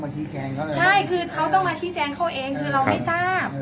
ใช่คือเขาต้องมาชี้แจงเขาเอง